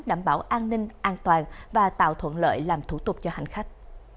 đảm bảo an ninh an toàn và tạo thuận lợi làm thủ tục cho hành khách